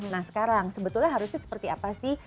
nah sekarang sebetulnya harusnya seperti apa sih